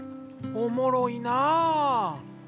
おもろいなぁ。